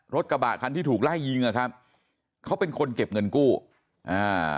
รถกระบะคันที่ถูกไล่ยิงอ่ะครับเขาเป็นคนเก็บเงินกู้อ่า